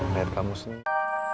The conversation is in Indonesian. ngeliat kamu sendiri